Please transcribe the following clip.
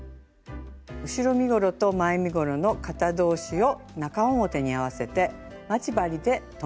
後ろ身ごろと前身ごろの肩同士を中表に合わせて待ち針で留めていきます。